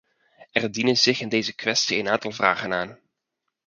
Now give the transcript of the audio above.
Er dienen zich in deze kwestie een aantal vragen aan.